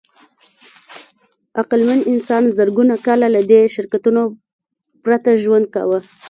عقلمن انسان زرګونه کاله له دې شرکتونو پرته ژوند کاوه.